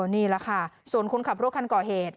นี่แหละค่ะส่วนคนขับรถคันก่อเหตุ